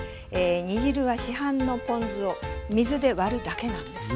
煮汁は市販のポン酢を水で割るだけなんです。